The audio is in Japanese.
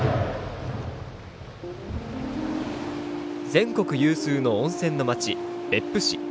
全国有数の温泉の街、別府市。